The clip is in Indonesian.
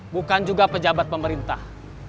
bukan juga pejabat pemerintah